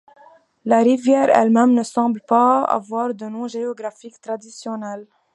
La rivière elle-même ne semble pas avoir de nom géographique traditionnel.